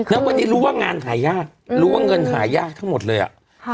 แล้ววันนี้รู้ว่างานหายากรู้ว่าเงินหายากทั้งหมดเลยอ่ะค่ะ